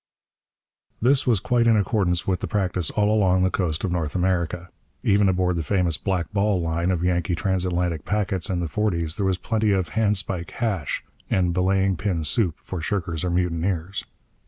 This was quite in accordance with the practice all along the coast of North America. Even aboard the famous Black Ball Line of Yankee transatlantic packets in the forties there was plenty of 'handspike hash' and 'belaying pin soup' for shirkers or mutineers.